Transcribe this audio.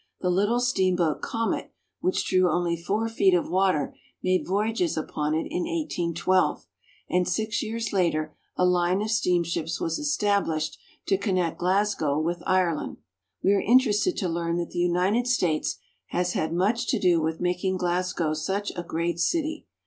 The little steamboat Comet, which drew only four feet of water, made voyages upon it in 1812; and six years later a line of steamships was established to connect Glasgow with Ireland. We are interested to learn that the United States has had much to do with making Glasgow such a great city.